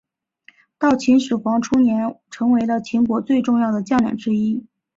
到秦始皇初年成为了秦国最重要的将领之一。